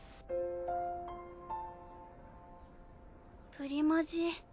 プリマジ。